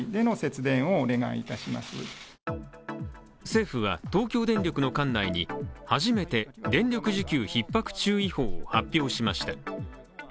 政府は東京電力の管内に初めて電力需給ひっ迫注意報を発表しました。